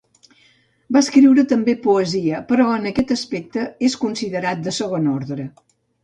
Va escriure també poesia però en aquest aspecte és considerat de segon ordre.